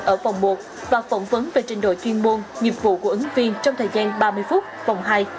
ở vòng một và phỏng vấn về trình đội chuyên môn nghiệp vụ của ứng viên trong thời gian ba mươi phút vòng hai